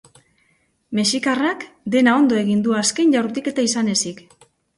Mexikarrak dena ondo egin du azken jaurtiketa izan ezik.